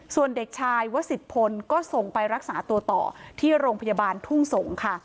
ส่วนเด็กชายวสิทธพลก็ส่งไปรักษาตัวต่อที่โรงพยาบาลทุ่งสงศ์ค่ะ